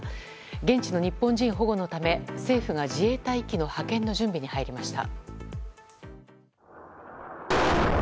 現地の日本人保護のため政府が自衛隊機の派遣の準備に入りました。